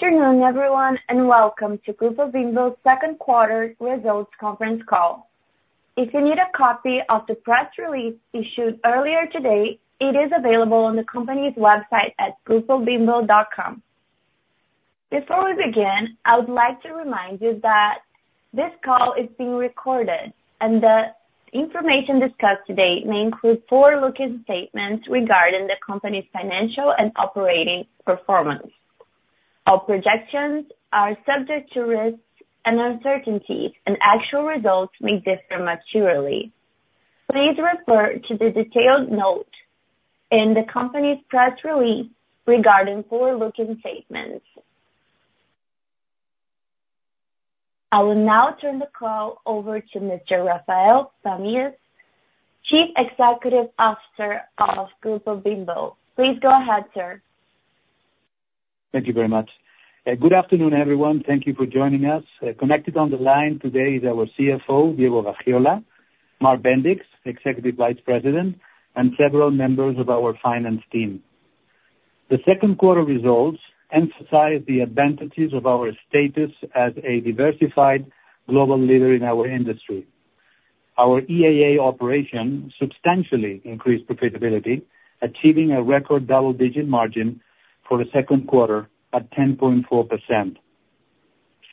Good afternoon, everyone, and welcome to Grupo Bimbo's second quarter results conference call. If you need a copy of the press release issued earlier today, it is available on the company's website at grupobimbo.com. Before we begin, I would like to remind you that this call is being recorded and the information discussed today may include forward-looking statements regarding the company's financial and operating performance. Our projections are subject to risks and uncertainties, and actual results may differ materially. Please refer to the detailed note in the company's press release regarding forward-looking statements. I will now turn the call over to Mr. Rafael Pamias, Chief Executive Officer of Grupo Bimbo. Please go ahead, sir. Thank you very much. Good afternoon, everyone. Thank you for joining us. Connected on the line today is our CFO, Diego Gaxiola, Mark Bindra, Executive Vice President, and several members of our finance team. The second quarter results emphasize the advantages of our status as a diversified global leader in our industry. Our EAA operation substantially increased profitability, achieving a record double-digit margin for the second quarter at 10.4%.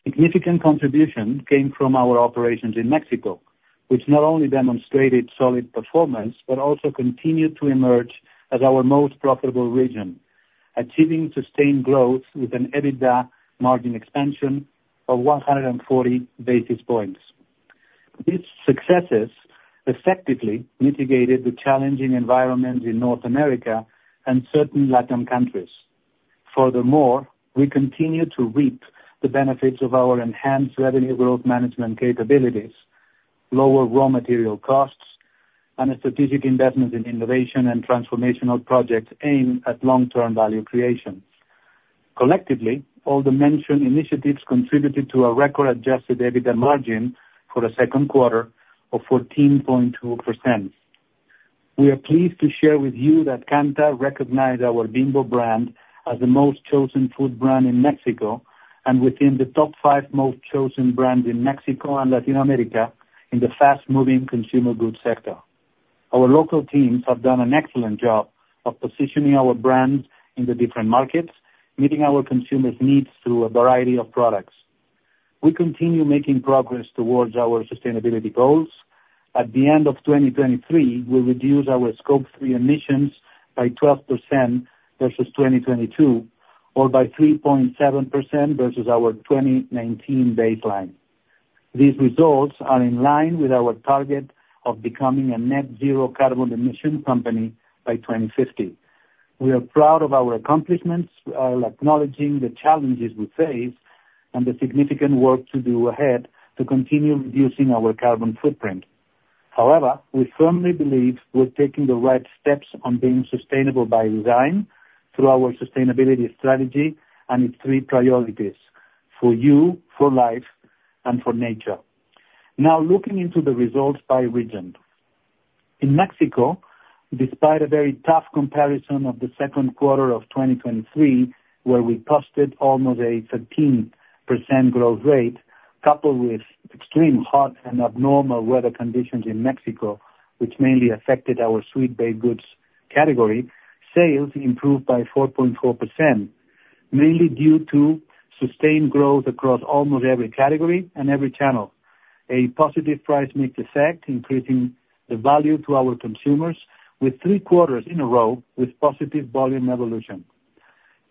Significant contribution came from our operations in Mexico, which not only demonstrated solid performance, but also continued to emerge as our most profitable region, achieving sustained growth with an EBITDA margin expansion of 140 basis points. These successes effectively mitigated the challenging environment in North America and certain Latin countries. Furthermore, we continue to reap the benefits of our enhanced revenue growth management capabilities, lower raw material costs, and a strategic investment in innovation and transformational projects aimed at long-term value creation. Collectively, all the mentioned initiatives contributed to a record Adjusted EBITDA margin for the second quarter of 14.2%. We are pleased to share with you that Kantar recognized our Bimbo brand as the most chosen food brand in Mexico and within the top five most chosen brands in Mexico and Latin America in the fast-moving consumer goods sector. Our local teams have done an excellent job of positioning our brands in the different markets, meeting our consumers' needs through a variety of products. We continue making progress towards our sustainability goals. At the end of 2023, we'll reduce our Scope 3 emissions by 12% versus 2022, or by 3.7% versus our 2019 baseline. These results are in line with our target of becoming a net zero carbon emission company by 2050. We are proud of our accomplishments, while acknowledging the challenges we face and the significant work to do ahead to continue reducing our carbon footprint. However, we firmly believe we're taking the right steps on being sustainable by design through our sustainability strategy and its three priorities: for you, for life, and for nature. Now, looking into the results by region. In Mexico, despite a very tough comparison of the second quarter of 2023, where we posted almost a 13% growth rate, coupled with extreme hot and abnormal weather conditions in Mexico, which mainly affected our sweet baked goods category, sales improved by 4.4%, mainly due to sustained growth across almost every category and every channel. A positive price mix effect, increasing the value to our consumers with 3 quarters in a row with positive volume evolution.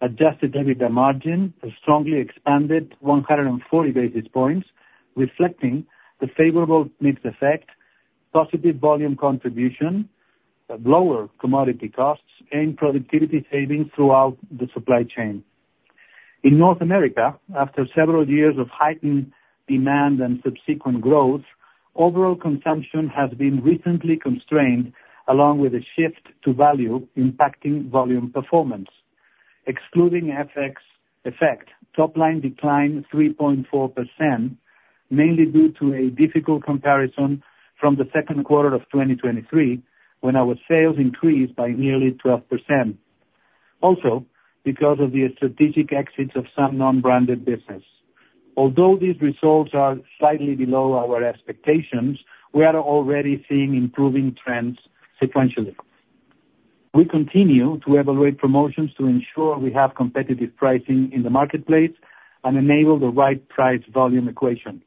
Adjusted EBITDA margin has strongly expanded 140 basis points, reflecting the favorable mix effect, positive volume contribution, lower commodity costs and productivity savings throughout the supply chain. In North America, after several years of heightened demand and subsequent growth, overall consumption has been recently constrained, along with a shift to value impacting volume performance. Excluding FX effect, top line declined 3.4%, mainly due to a difficult comparison from the second quarter of 2023, when our sales increased by nearly 12%. Also, because of the strategic exits of some non-branded business. Although these results are slightly below our expectations, we are already seeing improving trends sequentially. We continue to evaluate promotions to ensure we have competitive pricing in the marketplace and enable the right price-volume equation.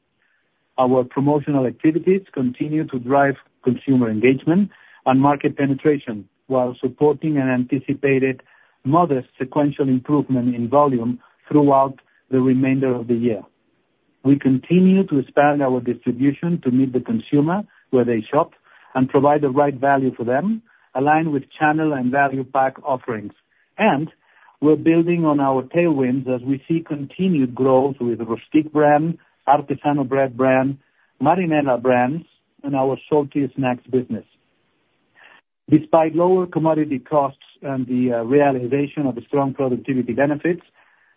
Our promotional activities continue to drive consumer engagement and market penetration, while supporting an anticipated modest sequential improvement in volume throughout the remainder of the year. We continue to expand our distribution to meet the consumer where they shop and provide the right value for them, aligned with channel and value pack offerings. We're building on our tailwinds as we see continued growth with Rustik brand, Artesano bread brand, Marinela brands, and our salty snacks business. Despite lower commodity costs and the realization of the strong productivity benefits,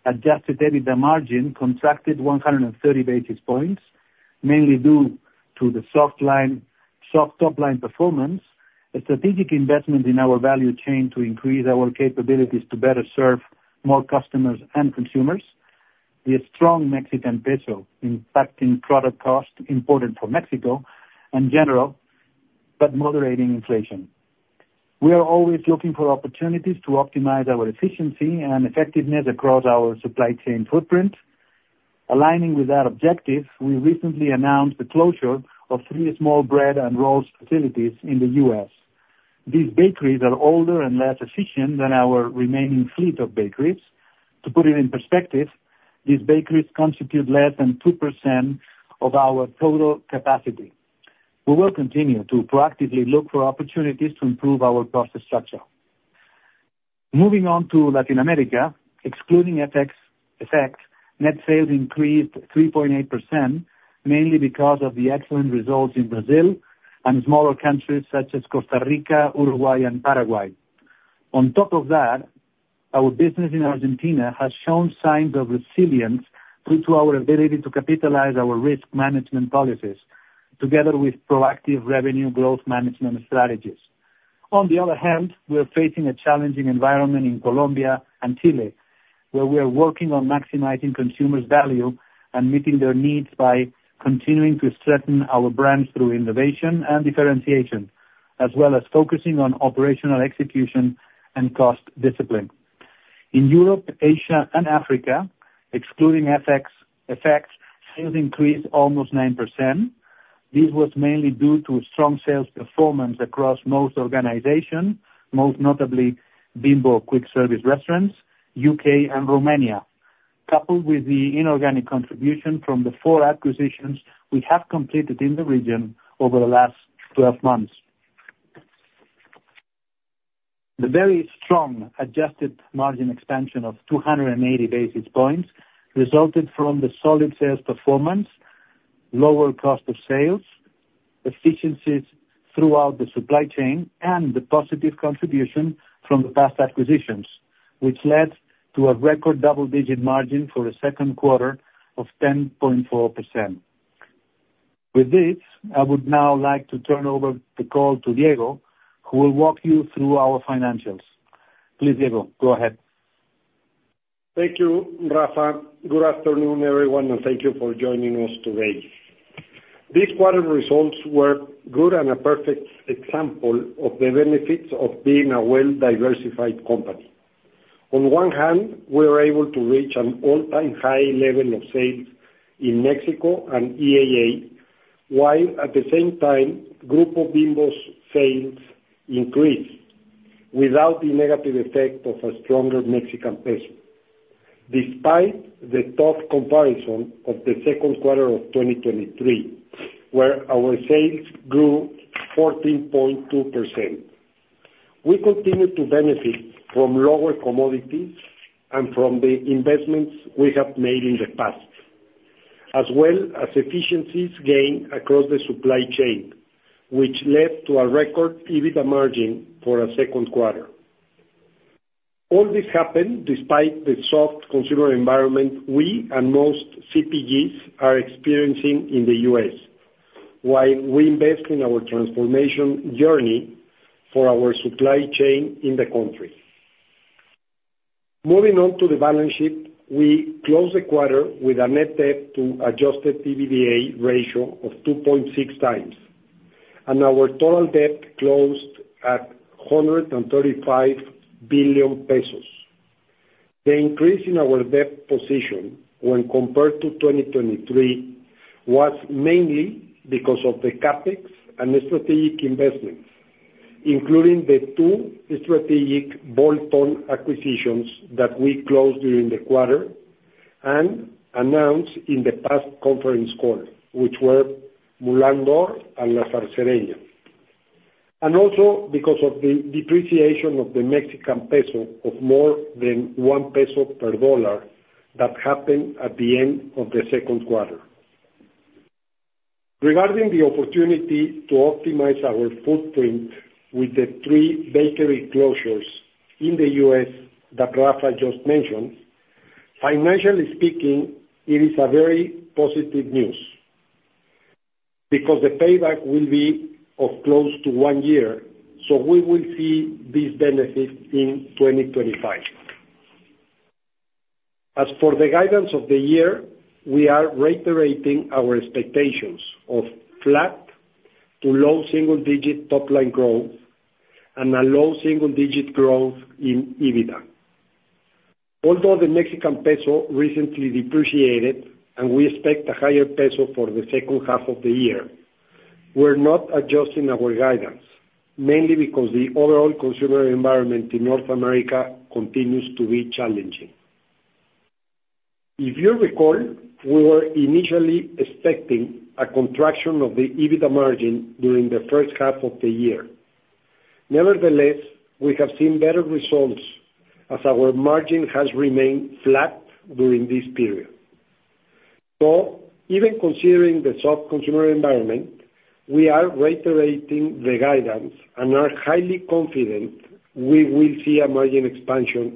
adjusted EBITDA margin contracted 130 basis points, mainly due to the soft line, soft top line performance, a strategic investment in our value chain to increase our capabilities to better serve more customers and consumers. The strong Mexican peso impacting product cost imported from Mexico in general, but moderating inflation. We are always looking for opportunities to optimize our efficiency and effectiveness across our supply chain footprint. Aligning with that objective, we recently announced the closure of three small bread and rolls facilities in the U.S. These bakeries are older and less efficient than our remaining fleet of bakeries. To put it in perspective, these bakeries constitute less than 2% of our total capacity. We will continue to proactively look for opportunities to improve our cost structure. Moving on to Latin America, excluding FX effects, net sales increased 3.8%, mainly because of the excellent results in Brazil and smaller countries such as Costa Rica, Uruguay and Paraguay. On top of that, our business in Argentina has shown signs of resilience due to our ability to capitalize our risk management policies, together with proactive revenue growth management strategies. On the other hand, we are facing a challenging environment in Colombia and Chile, where we are working on maximizing consumers' value and meeting their needs by continuing to strengthen our brands through innovation and differentiation, as well as focusing on operational execution and cost discipline. In Europe, Asia, and Africa, excluding FX effects, sales increased almost 9%. This was mainly due to strong sales performance across most organization, most notably Bimbo Quick Service Restaurants, UK and Romania, coupled with the inorganic contribution from the 4 acquisitions we have completed in the region over the last 12 months. The very strong adjusted margin expansion of 280 basis points resulted from the solid sales performance, lower cost of sales, efficiencies throughout the supply chain, and the positive contribution from the past acquisitions, which led to a record double-digit margin for the second quarter of 10.4%. With this, I would now like to turn over the call to Diego, who will walk you through our financials. Please, Diego, go ahead. Thank you, Rafa. Good afternoon, everyone, and thank you for joining us today. These quarter results were good and a perfect example of the benefits of being a well-diversified company. On one hand, we were able to reach an all-time high level of sales in Mexico and EAA, while at the same time, Grupo Bimbo's sales increased without the negative effect of a stronger Mexican peso. Despite the tough comparison of the second quarter of 2023, where our sales grew 14.2%, we continue to benefit from lower commodities and from the investments we have made in the past, as well as efficiencies gained across the supply chain, which led to a record EBITDA margin for a second quarter. All this happened despite the soft consumer environment we and most CPGs are experiencing in the U.S., while we invest in our transformation journey for our supply chain in the country. Moving on to the balance sheet, we closed the quarter with a net debt to Adjusted EBITDA ratio of 2.6 times, and our total debt closed at 135 billion pesos. The increase in our debt position when compared to 2023, was mainly because of the CapEx and the strategic investments, including the two strategic Bolton acquisitions that we closed during the quarter and announced in the past conference call, which were Moulin d'Or and La Zarcereña. And also because of the depreciation of the Mexican peso of more than 1 peso per dollar that happened at the end of the second quarter. Regarding the opportunity to optimize our footprint with the 3 bakery closures in the U.S. that Rafa just mentioned, financially speaking, it is a very positive news because the payback will be of close to 1 year, so we will see these benefits in 2025. As for the guidance of the year, we are reiterating our expectations of flat to low single-digit top-line growth and a low single-digit growth in EBITDA. Although the Mexican peso recently depreciated, and we expect a higher peso for the second half of the year, we're not adjusting our guidance, mainly because the overall consumer environment in North America continues to be challenging. If you recall, we were initially expecting a contraction of the EBITDA margin during the first half of the year. Nevertheless, we have seen better results as our margin has remained flat during this period. Even considering the soft consumer environment- ... we are reiterating the guidance and are highly confident we will see a margin expansion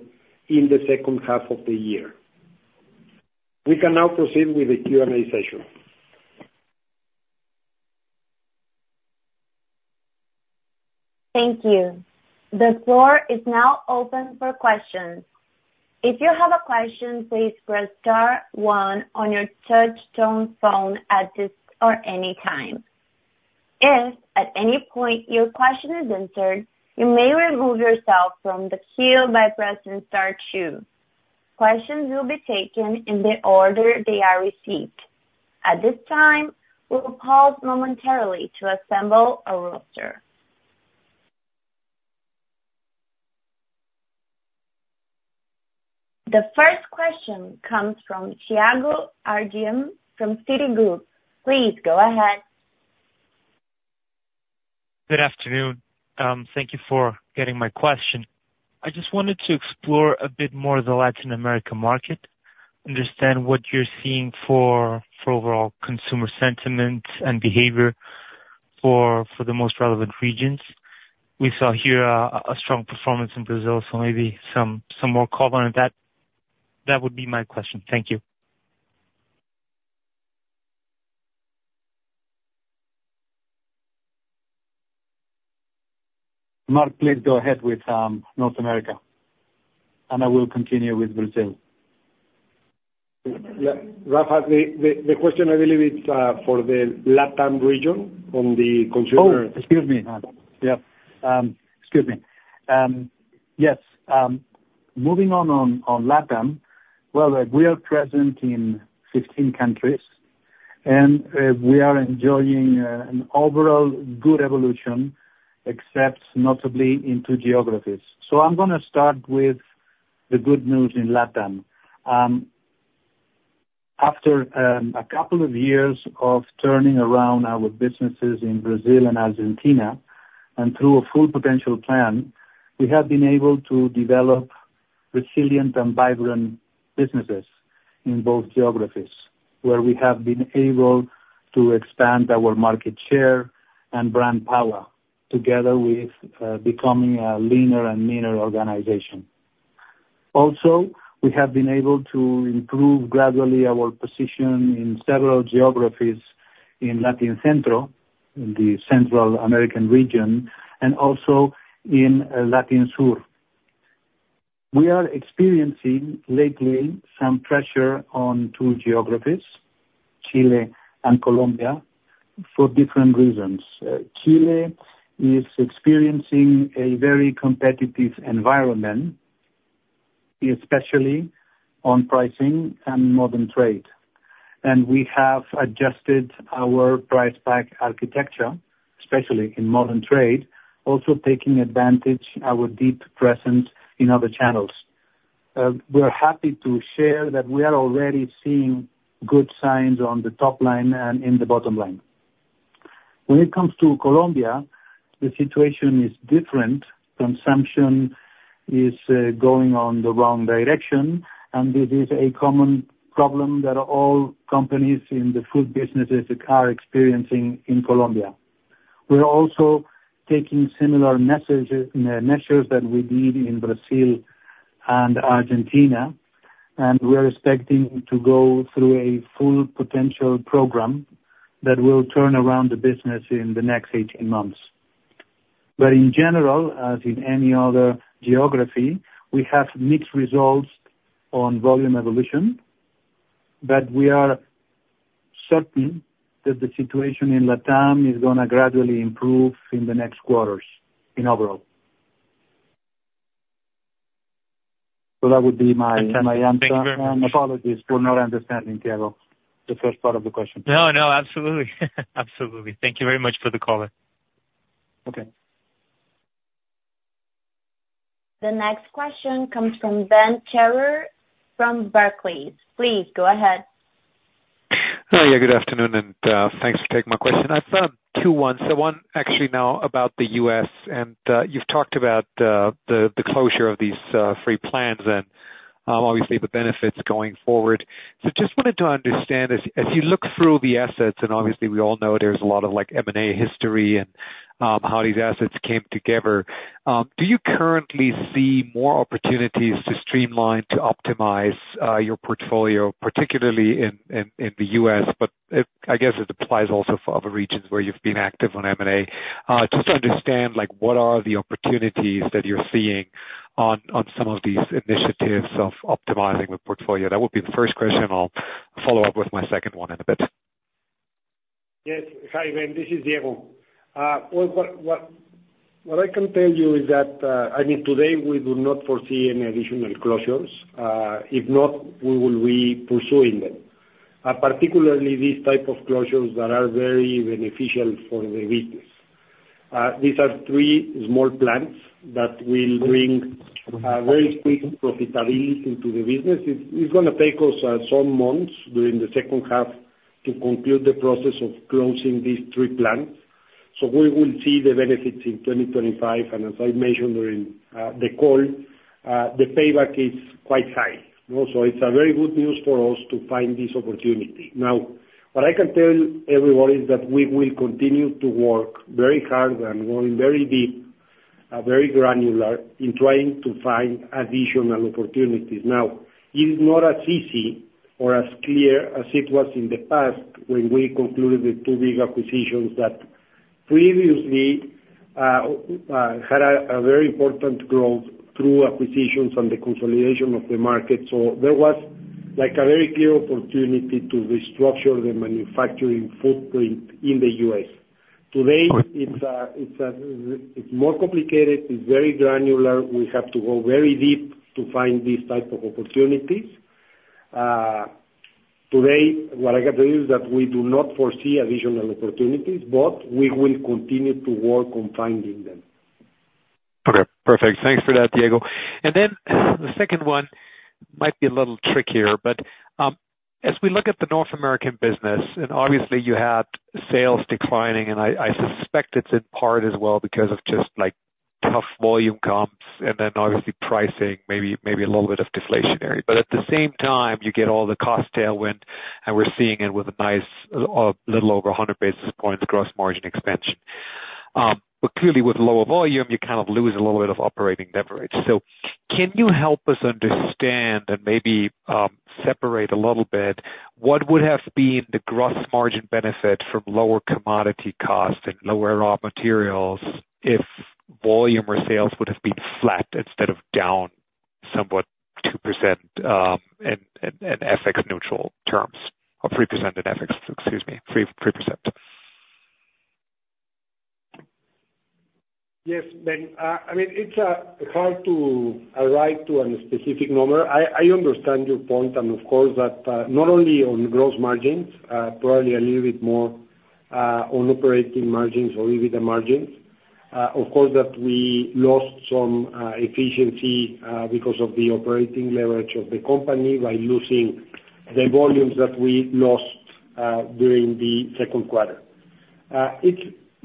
in the second half of the year. We can now proceed with the Q&A session. Thank you. The floor is now open for questions. If you have a question, please press star one on your touchtone phone at this or any time. If, at any point, your question is answered, you may remove yourself from the queue by pressing star two. Questions will be taken in the order they are received. At this time, we will pause momentarily to assemble a roster. The first question comes from Tiago Bortoluci from Goldman Sachs. Please go ahead. Good afternoon. Thank you for getting my question. I just wanted to explore a bit more the Latin America market, understand what you're seeing for overall consumer sentiment and behavior for the most relevant regions. We saw here a strong performance in Brazil, so maybe some more color on that. That would be my question. Thank you. Mark, please go ahead with North America, and I will continue with Brazil. Rafa, the question I believe is for the Latam region, on the consumer- Oh, excuse me! Yeah. Excuse me. Yes, moving on Latam, well, we are present in 15 countries, and we are enjoying an overall good evolution, except notably in two geographies. So I'm gonna start with the good news in Latam. After a couple of years of turning around our businesses in Brazil and Argentina, and through a full potential plan, we have been able to develop resilient and vibrant businesses in both geographies, where we have been able to expand our market share and brand power together with becoming a leaner and meaner organization. Also, we have been able to improve gradually our position in several geographies in Latin Centro, in the Central American region, and also in Latin Sur. We are experiencing lately some pressure on two geographies, Chile and Colombia, for different reasons. Chile is experiencing a very competitive environment, especially on pricing and modern trade. We have adjusted our price pack architecture, especially in modern trade, also taking advantage our deep presence in other channels. We are happy to share that we are already seeing good signs on the top line and in the bottom line. When it comes to Colombia, the situation is different. Consumption is going on the wrong direction, and this is a common problem that all companies in the food businesses are experiencing in Colombia. We're also taking similar measures that we did in Brazil and Argentina, and we're expecting to go through a full potential program that will turn around the business in the next 18 months. But in general, as in any other geography, we have mixed results on volume evolution, but we are certain that the situation in Latam is gonna gradually improve in the next quarters, in overall. So that would be my, my answer. Thank you very much. Apologies for not understanding, Tiago, the first part of the question. No, no, absolutely. Absolutely. Thank you very much for the call. Okay. The next question comes from Benjamin Theurer from Barclays. Please go ahead. Hi, yeah, good afternoon, and thanks for taking my question. I've got two ones. So one actually now about the U.S., and you've talked about the closure of these three plants and obviously the benefits going forward. So just wanted to understand, as you look through the assets, and obviously we all know there's a lot of, like, M&A history and how these assets came together, do you currently see more opportunities to streamline, to optimize your portfolio, particularly in the U.S.? But I guess it applies also for other regions where you've been active on M&A. Just to understand, like, what are the opportunities that you're seeing on some of these initiatives of optimizing the portfolio? That would be the first question. I'll follow up with my second one in a bit. Yes. Hi, Ben, this is Diego. What I can tell you is that, I mean, today we do not foresee any additional closures. If not, we will be pursuing them, particularly these type of closures that are very beneficial for the business. These are three small plants that will bring very quick profitability into the business. It's gonna take us some months during the second half to conclude the process of closing these three plants. So we will see the benefits in 2025, and as I mentioned during the call, the payback is quite high. You know, so it's a very good news for us to find this opportunity. Now, what I can tell everyone is that we will continue to work very hard and going very deep, very granular in trying to find additional opportunities. Now, it is not as easy or as clear as it was in the past when we concluded the two big acquisitions that previously had a very important growth through acquisitions and the consolidation of the market. So there was, like, a very clear opportunity to restructure the manufacturing footprint in the U.S. Today, it's more complicated. It's very granular. We have to go very deep to find these type of opportunities. Today, what I can tell you is that we do not foresee additional opportunities, but we will continue to work on finding them. Okay, perfect. Thanks for that, Diego. And then, the second one might be a little trickier, but, as we look at the North American business, and obviously you had sales declining, and I suspect it's in part as well because of just, like, tough volume comps and then obviously pricing, maybe, maybe a little bit of deflationary. But at the same time, you get all the cost tailwind, and we're seeing it with a nice little over 100 basis points gross margin expansion. But clearly, with lower volume, you kind of lose a little bit of operating leverage. So can you help us understand and maybe, separate a little bit, what would have been the gross margin benefit from lower commodity costs and lower raw materials if volume or sales would have been flat instead of down somewhat 2%, and FX neutral terms, or 3% in FX, excuse me, 3%? Yes, Ben. I mean, it's hard to arrive to a specific number. I understand your point, and of course, that not only on gross margins, probably a little bit more on operating margins or EBITDA margins, of course, that we lost some efficiency because of the operating leverage of the company by losing the volumes that we lost during the second quarter. It's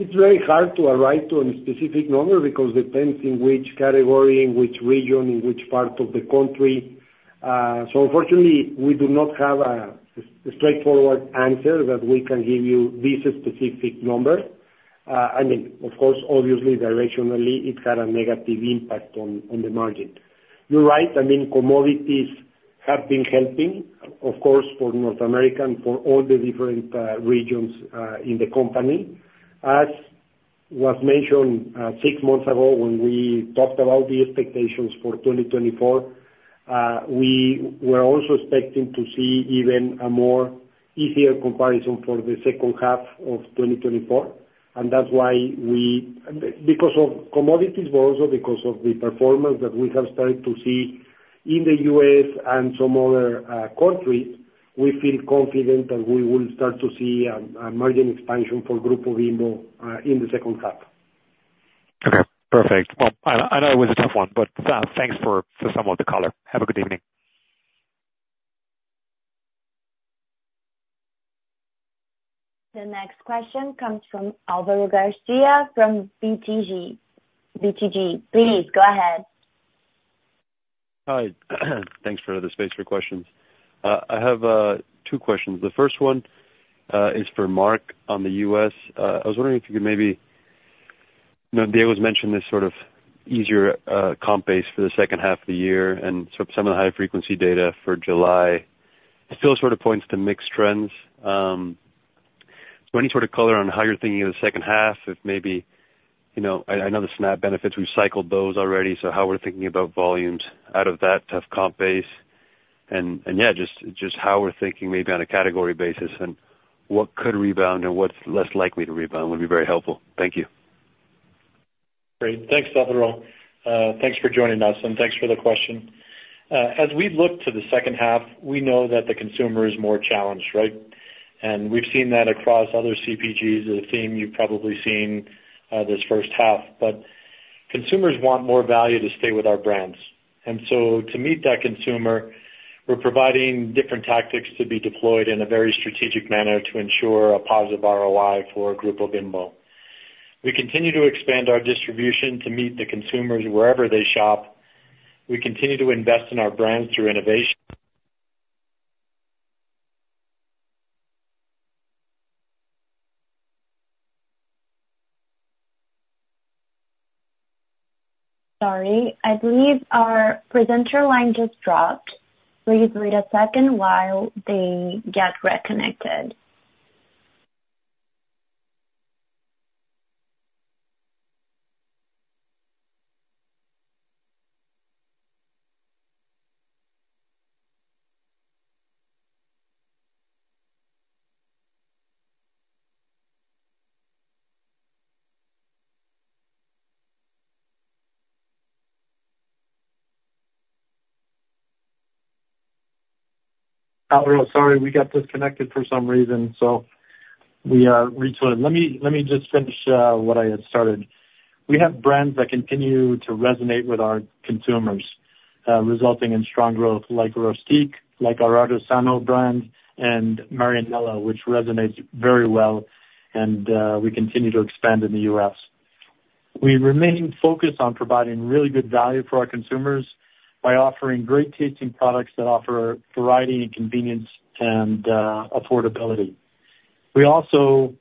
very hard to arrive to a specific number because depends in which category, in which region, in which part of the country. So unfortunately, we do not have a straightforward answer that we can give you this specific number. I mean, of course, obviously directionally it had a negative impact on the margin. You're right. I mean, commodities have been helping, of course, for North America and for all the different regions in the company. As was mentioned, six months ago when we talked about the expectations for 2024, we were also expecting to see even a more easier comparison for the second half of 2024, and that's why we... Because of commodities, but also because of the performance that we have started to see in the US and some other countries, we feel confident that we will start to see a margin expansion for Grupo Bimbo in the second half. Okay, perfect. Well, I know it was a tough one, but thanks for some of the color. Have a good evening. The next question comes from Álvaro García from BTG, BTG. Please go ahead. Hi. Thanks for the space for questions. I have two questions. The first one is for Mark on the U.S. I was wondering if you could maybe, you know, Diego's mentioned this sort of easier comp base for the second half of the year, and so some of the high frequency data for July, it still sort of points to mixed trends. So any sort of color on how you're thinking of the second half, if maybe, you know, I know the SNAP benefits, we've cycled those already, so how we're thinking about volumes out of that tough comp base, and yeah, just how we're thinking maybe on a category basis and what could rebound and what's less likely to rebound would be very helpful. Thank you. Great. Thanks, Álvaro. Thanks for joining us, and thanks for the question. As we look to the second half, we know that the consumer is more challenged, right? And we've seen that across other CPGs, the theme you've probably seen, this first half. But consumers want more value to stay with our brands. And so to meet that consumer, we're providing different tactics to be deployed in a very strategic manner to ensure a positive ROI for Grupo Bimbo. We continue to expand our distribution to meet the consumers wherever they shop. We continue to invest in our brands through innovation- Sorry, I believe our presenter line just dropped. Please wait a second while they get reconnected. Álvaro, sorry, we got disconnected for some reason, so we re-recorded. Let me just finish what I had started. We have brands that continue to resonate with our consumers, resulting in strong growth, like Rustique, like our Artesano brand, and Marinela, which resonates very well, and we continue to expand in the US. We remain focused on providing really good value for our consumers by offering great-tasting products that offer variety and convenience and affordability. We also,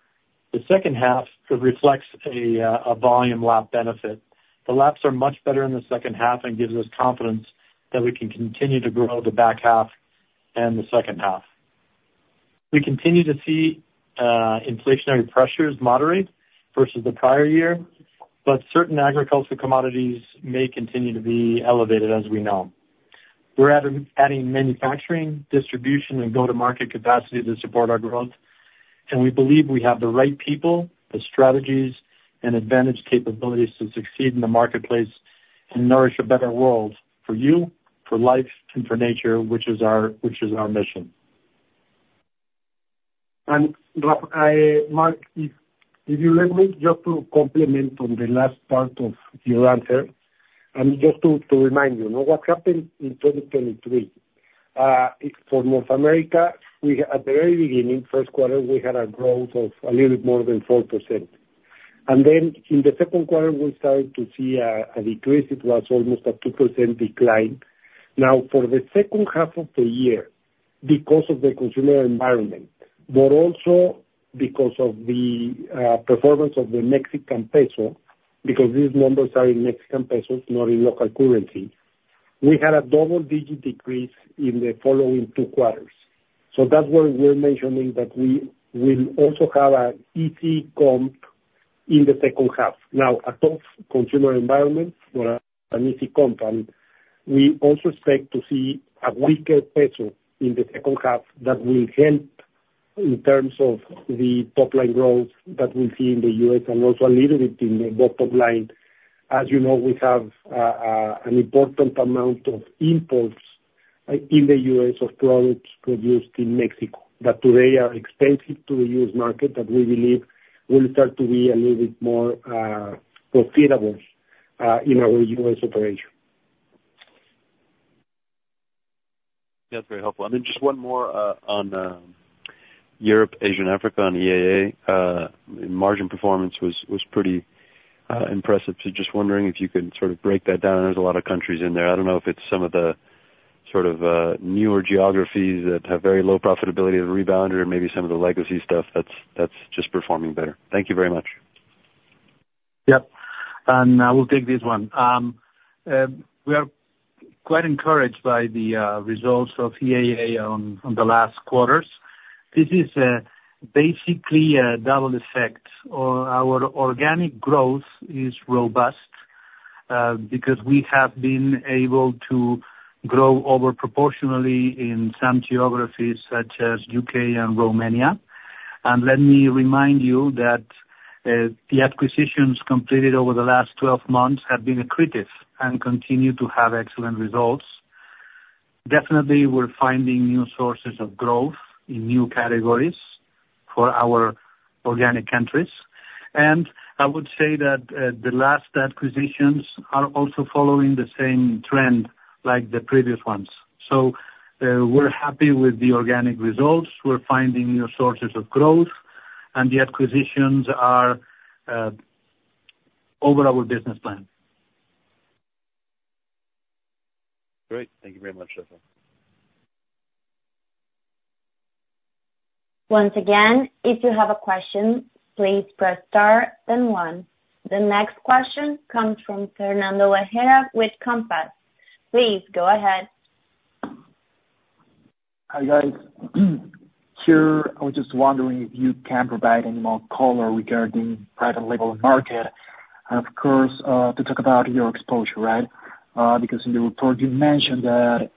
the second half reflects a volume lap benefit. The laps are much better in the second half and gives us confidence that we can continue to grow the back half and the second half. We continue to see inflationary pressures moderate versus the prior year, but certain agricultural commodities may continue to be elevated, as we know. We're adding manufacturing, distribution, and go-to-market capacity to support our growth, and we believe we have the right people, the strategies, and advantage capabilities to succeed in the marketplace and nourish a better world for you, for life, and for nature, which is our mission. And I, Mark, if you let me just to complement on the last part of your answer, and just to remind you, you know, what happened in 2023, for North America, we, at the very beginning, first quarter, we had a growth of a little more than 4%. And then in the second quarter, we started to see a decrease. It was almost a 2% decline. Now, for the second half of the year, because of the consumer environment, but also because of the performance of the Mexican peso, because these numbers are in Mexican pesos, not in local currency, we had a double-digit decrease in the following two quarters. So that's why we're mentioning that we will also have an easy comp in the second half. Now, a tough consumer environment but an easy comp, and we also expect to see a weaker peso in the second half that will help in terms of the top line growth that we'll see in the U.S. and also a little bit in the bottom line. As you know, we have, an important amount of imports, in the U.S. of products produced in Mexico, that today are expensive to the U.S. market, that we believe will start to be a little bit more, profitable, in our U.S. operation. That's very helpful. And then just one more on Europe, Asia, Africa, on EAA. Margin performance was pretty impressive. So just wondering if you could sort of break that down. There's a lot of countries in there. I don't know if it's some of the sort of newer geographies that have very low profitability of rebound or maybe some of the legacy stuff that's just performing better. Thank you very much. Yep, and I will take this one. We are quite encouraged by the results of EAA on the last quarters. This is basically a double effect. Our organic growth is robust because we have been able to grow over proportionally in some geographies, such as UK and Romania. And let me remind you that the acquisitions completed over the last 12 months have been accretive and continue to have excellent results. Definitely, we're finding new sources of growth in new categories for our organic countries. And I would say that the last acquisitions are also following the same trend like the previous ones. So, we're happy with the organic results. We're finding new sources of growth, and the acquisitions are over our business plan. Great. Thank you very much, Rafael. Once again, if you have a question, please press Star, then One. The next question comes from Fernando Olvera with Compass. Please go ahead. Hi, guys. Sure, I was just wondering if you can provide any more color regarding private label market? Of course, to talk about your exposure, right? Because in the report you mentioned that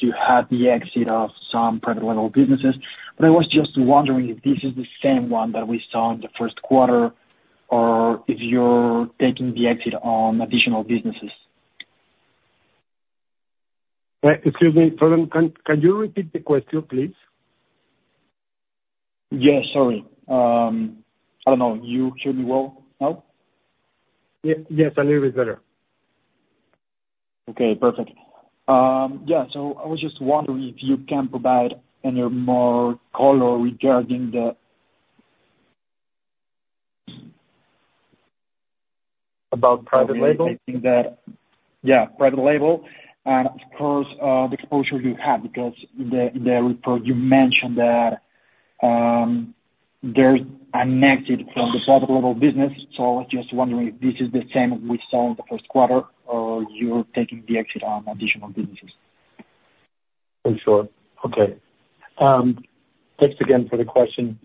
you had the exit of some private label businesses, but I was just wondering if this is the same one that we saw in the first quarter or if you're taking the exit on additional businesses? Excuse me, Fernando, can you repeat the question, please? Yeah, sorry. I don't know. You hear me well now? Yes, a little bit better. Okay, perfect. Yeah, so I was just wondering if you can provide any more color regarding the- About private label? I think... yeah, private label. And of course, the exposure you have, because the report you mentioned that there's an exit from the private label business. So I was just wondering if this is the same we saw in the first quarter, or you're taking the exit on additional businesses. For sure. Okay. Thanks again for the question.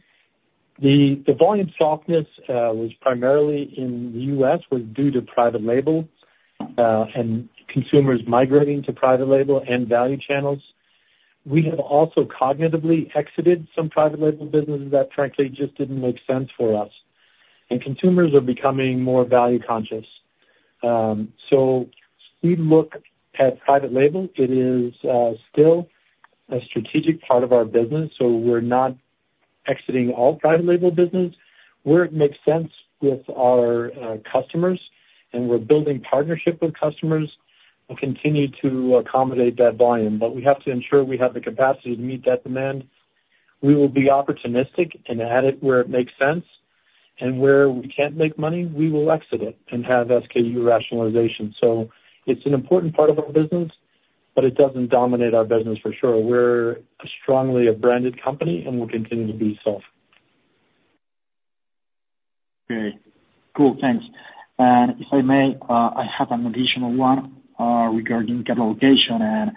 The volume softness was primarily in the U.S. due to private label and consumers migrating to private label and value channels. We have also cognitively exited some private label businesses that frankly just didn't make sense for us, and consumers are becoming more value conscious. So we look at private label, it is still a strategic part of our business, so we're not-... exiting all private label business where it makes sense with our customers, and we're building partnership with customers, we'll continue to accommodate that volume. But we have to ensure we have the capacity to meet that demand. We will be opportunistic and add it where it makes sense, and where we can't make money, we will exit it and have SKU rationalization. So it's an important part of our business, but it doesn't dominate our business for sure. We're strongly a branded company, and we'll continue to be so. Great. Cool, thanks. And if I may, I have an additional one, regarding capital allocation and,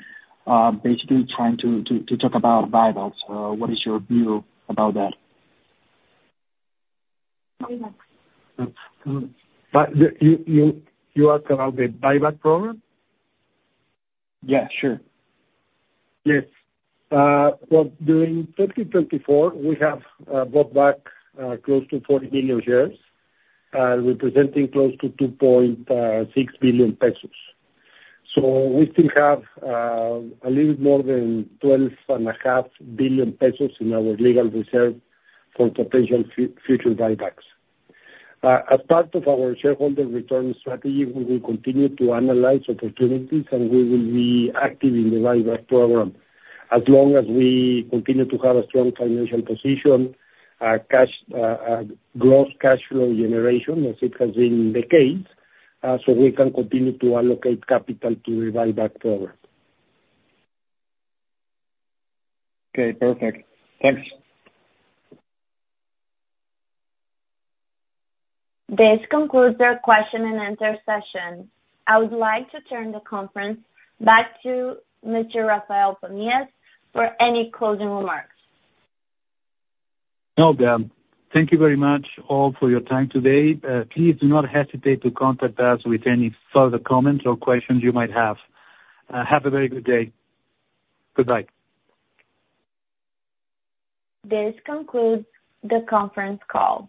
basically trying to talk about buybacks. What is your view about that? But you ask about the buyback program? Yeah, sure. Yes. Well, during 2024, we have bought back close to 40 billion shares, representing close to 2.6 billion pesos. So we still have a little more than 12.5 billion pesos in our legal reserve for potential future buybacks. As part of our shareholder return strategy, we will continue to analyze opportunities, and we will be active in the buyback program as long as we continue to have a strong financial position, cash gross cash flow generation, as it has been the case, so we can continue to allocate capital to the buyback program. Okay, perfect. Thanks. This concludes our question and answer session. I would like to turn the conference back to Mr. Rafael Pamias for any closing remarks. Okay. Thank you very much all for your time today. Please do not hesitate to contact us with any further comments or questions you might have. Have a very good day. Goodbye. This concludes the conference call.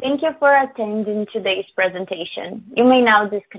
Thank you for attending today's presentation. You may now disconnect.